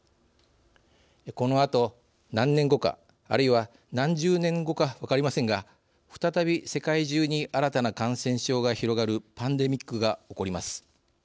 このあと、何年後か、あるいは何十年後か分かりませんが再び世界中に新たな感染症が広がるパンデミックが起こります。